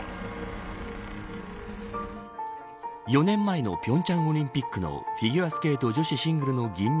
４年前の平昌オリンピックのフィギュアスケート女子シングルの銀